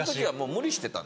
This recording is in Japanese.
無理してたんだ。